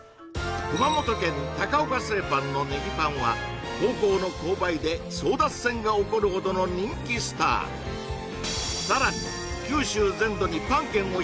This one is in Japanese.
熊本県岡製パンのネギパンは高校の購買で争奪戦が起こるほどの人気スターさらに